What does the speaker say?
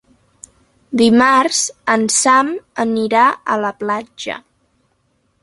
Dimarts en Sam anirà a la platja.